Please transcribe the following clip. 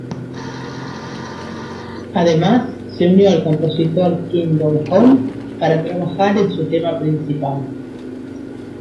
Además, se unió al compositor Kim Do Hoon para trabajar en su tema principal.